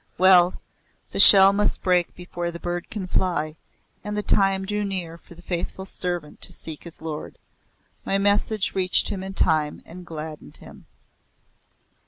Well the shell must break before the bird can fly, and the time drew near for the faithful servant to seek his lord. My message reached him in time and gladdened him.